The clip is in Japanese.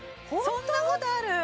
そんなことある！？